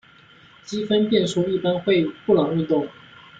积分变数一般会布朗运动。